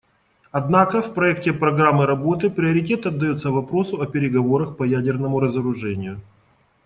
Однако в проекте программы работы приоритет отдается вопросу о переговорах по ядерному разоружению.